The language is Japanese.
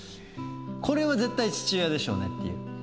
これは絶対父親でしょうねっていう。